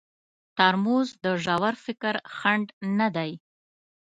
ترموز د ژور فکر خنډ نه دی.